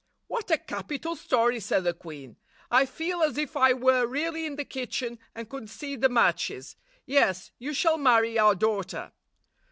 "What a capital story!" said the queen. "I 1 99 feel as if I were really in the kitchen, and could see the matches. Yes, you shall marry our daughter."